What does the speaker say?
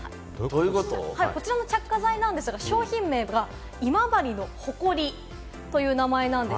こちらの着火剤なんですが、商品名が「今治のホコリ」という名前なんです。